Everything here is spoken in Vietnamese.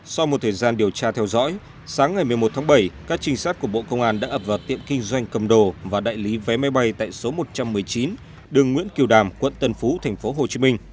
sau một thời gian điều tra theo dõi sáng ngày một mươi một tháng bảy các trinh sát của bộ công an đã ập vào tiệm kinh doanh cầm đồ và đại lý vé máy bay tại số một trăm một mươi chín đường nguyễn kiều đàm quận tân phú tp hcm